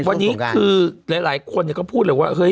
วันนี้คือหลายคนก็พูดเลยว่าเฮ้ย